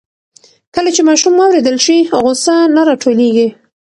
کله چې ماشوم واورېدل شي, غوسه نه راټولېږي.